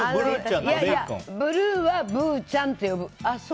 ブルーはブーちゃんって呼ぶ。